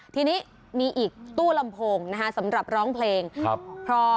ทีนี้มีอีกตู้ลำโพงนะคะสำหรับร้องเพลงครับ